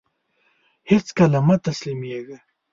هيڅکله مه تسلميږه !